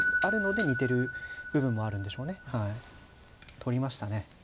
取りましたね。